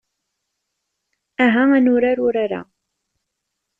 Aha ad nurar urar-a.